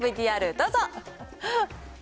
ＶＴＲどうぞ。